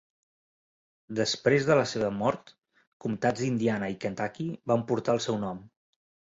Després de la seva mort, comtats d'Indiana i Kentucky van portar el seu nom.